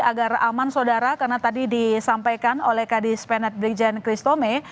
agar aman sodara karena tadi disampaikan oleh kadis penet brigjen kristome